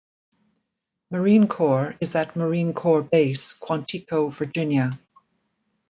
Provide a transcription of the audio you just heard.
Marine Corps is at Marine Corps Base Quantico, Virginia.